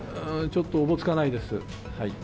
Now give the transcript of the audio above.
ちょっとおぼつかないです。